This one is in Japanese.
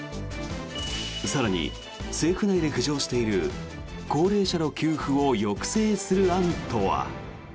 更に、政府内で浮上している高齢者の給付を抑制する案とは。